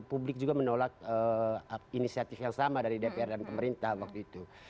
publik juga menolak inisiatif yang sama dari dpr dan pemerintah waktu itu